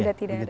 sudah tidak ada